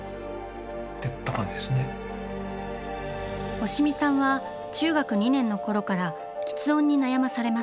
押見さんは中学２年のころからきつ音に悩まされます。